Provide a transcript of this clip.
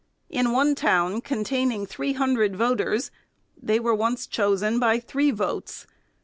In one town, con taining three hundred voters, they were once chosen by three votes.